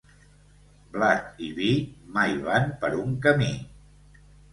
Blat i vi mai van per un camí.